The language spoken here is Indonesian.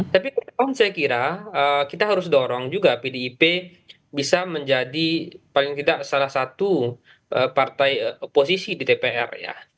tapi ke depan saya kira kita harus dorong juga pdip bisa menjadi paling tidak salah satu partai oposisi di dpr ya